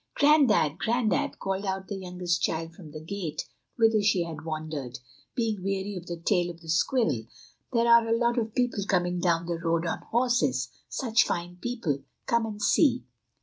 "Grandad!—Grandad!" called out the youngest child from the gate, whither she had wandered, being weary of the tale of the squirrel, "there are a lot of people coming down the road on horses, such fine people. Come and see."